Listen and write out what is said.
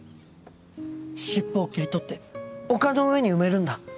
シッポを切り取って丘の上に埋めるんだ。